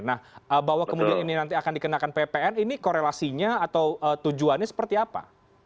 nah bahwa kemudian ini nanti akan dikenakan ppn ini korelasinya atau tujuannya seperti apa